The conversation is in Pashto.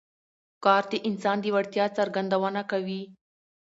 کار د انسان د وړتیاوو څرګندونه کوي